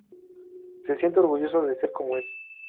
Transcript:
Se siente orgulloso de ser como es.